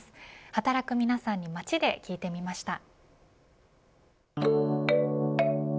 働く皆さんに街で聞いてみました。